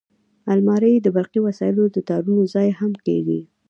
الماري د برقي وسایلو د تارونو ځای هم کېږي